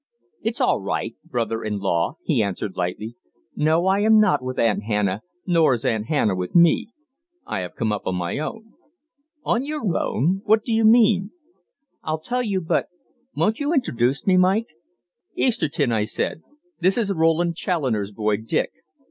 "It's all right brother in law," he answered lightly. "No, I am not with Aunt Hannah, nor is Aunt Hannah with me. I have come up on my own." "'On your own'? What do you mean?" "I'll tell you, but won't you introduce me, Mike?" "Easterton," I said, "this is Roland Challoner's boy, Dick.